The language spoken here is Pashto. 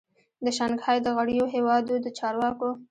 د شانګهای د غړیو هیوادو د چارواکو